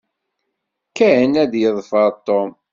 Ken ad yeḍfer Tom.